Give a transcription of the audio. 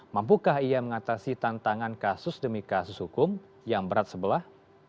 mampukah ia mengatasi tantangan kasus demi kasus hukum yang berat sebelah